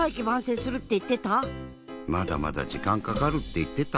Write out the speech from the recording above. まだまだじかんかかるっていってた。